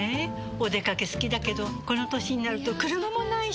お出かけ好きだけどこの歳になると車もないし。